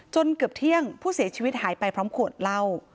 เกือบเที่ยงผู้เสียชีวิตหายไปพร้อมขวดเหล้า